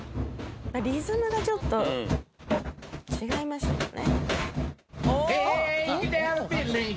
リズムがちょっと違いましたよね。